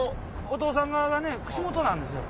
お父さん側がね串本なんですよ